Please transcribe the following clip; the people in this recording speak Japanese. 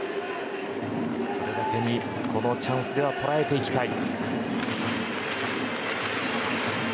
それだけに、このチャンスでは捉えていきたい。